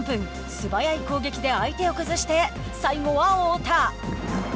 素早い攻撃で相手を崩して最後は、太田。